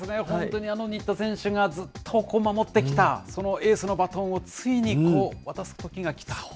本当に、新田選手がずっと守ってきた、そのエースのバトンをついに渡すときが来た。